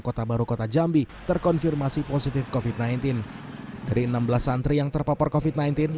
kota baru kota jambi terkonfirmasi positif kofit sembilan belas dari enam belas santri yang terpapar covid sembilan belas